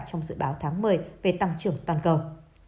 trong dự báo tháng một mươi về tăng trưởng toàn cầu